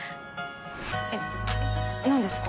えっ何ですか？